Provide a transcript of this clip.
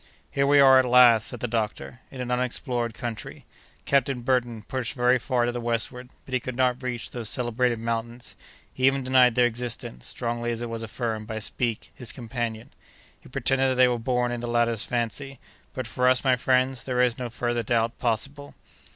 "Here we are at last," said the doctor, "in an unexplored country! Captain Burton pushed very far to the westward, but he could not reach those celebrated mountains; he even denied their existence, strongly as it was affirmed by Speke, his companion. He pretended that they were born in the latter's fancy; but for us, my friends, there is no further doubt possible."